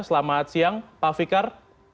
selamat siang pak fikar